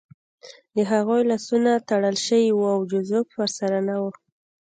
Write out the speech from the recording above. د هغوی لاسونه تړل شوي وو او جوزف ورسره نه و